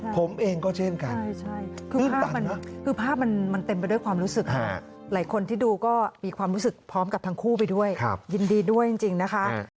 ผมเองก็เช่นกันคือภาพคือภาพมันเต็มไปด้วยความรู้สึกหลายคนที่ดูก็มีความรู้สึกพร้อมกับทั้งคู่ไปด้วยยินดีด้วยจริงนะคะ